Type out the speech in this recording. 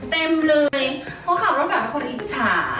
เพราะขอบความรักแล้วคนอิจฉา